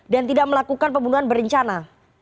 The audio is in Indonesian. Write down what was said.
dan tidak melakukan pembunuhan berencana